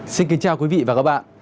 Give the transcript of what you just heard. xin kính chào quý vị và các bạn